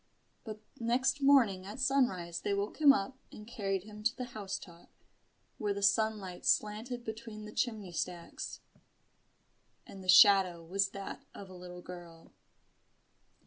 But next morning at sunrise they woke him up and carried him to the house top, where the sunlight slanted between the chimney stacks: and the shadow was that of a little girl.